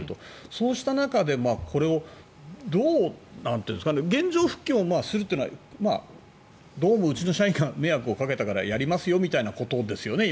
そうした中でこれを原状復帰をするというのはどうもうちの社員が迷惑をかけたからやりますよみたいなことですよね。